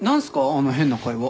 あの変な会話。